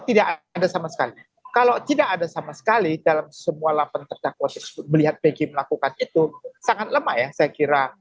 tidak ada sama sekali kalau tidak ada sama sekali dalam semua lapan terdakwa tersebut melihat pg melakukan itu sangat lemah ya saya kira